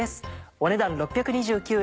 お値段６２９円。